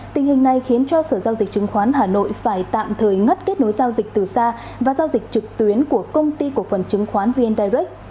tình hình này khiến cho sở giao dịch chứng khoán hà nội phải tạm thời ngắt kết nối giao dịch từ xa và giao dịch trực tuyến của công ty cổ phần chứng khoán vn direct